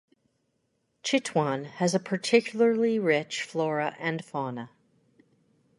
Chitwan has a particularly rich flora and fauna.